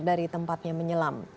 dari tempatnya menyelam